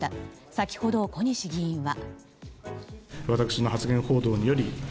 先ほど、小西議員は。